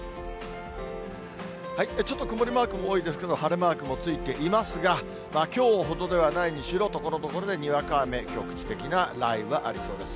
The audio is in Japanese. ちょっと曇りマークも多いですけど、晴れマークもついていますが、きょうほどではないにしろ、ところどころでにわか雨、局地的な雷雨がありそうです。